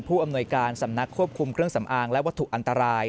อำนวยการสำนักควบคุมเครื่องสำอางและวัตถุอันตราย